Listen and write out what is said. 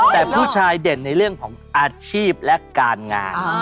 แต่ผู้ชายเด่นในเรื่องของอาชีพและการงาน